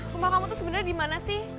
rumah kamu itu sebenarnya di mana sih